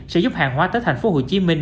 sẽ giúp hàng hóa tới thành phố hồ chí minh